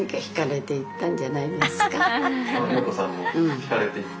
ひかれていった？